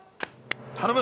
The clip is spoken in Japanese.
頼む。